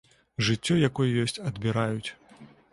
Жыццё, якое ёсць, адбіраюць.